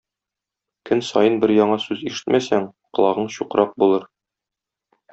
Көн саен бер яңа сүз ишетмәсәң, колагың чукрак булыр.